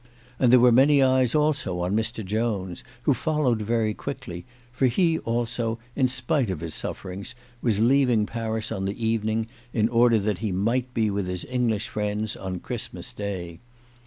And there were many eyes also on Mr. Jones, who fol lowed very quickly, for he also, in spite of his suffer ings, was leaving Paris on the evening in order that he might be with his English friends on Christmas Day.